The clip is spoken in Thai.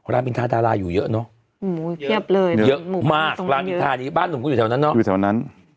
ร้านมินทราดาราอยู่เยอะเนาะเยอะมากร้านมินทราดาราอยู่แถวนั้นเนาะ